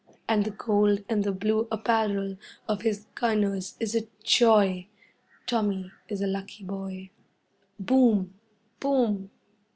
And the gold and blue apparel Of his gunners is a joy. Tommy is a lucky boy. Boom! Boom!